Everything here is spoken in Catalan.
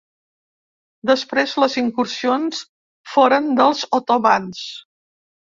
Després les incursions foren dels otomans.